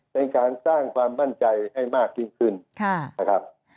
เป็นการสร้างความมั่นใจให้มากยิ่งขึ้นนะครับ